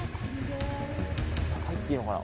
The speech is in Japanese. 入っていいのかな？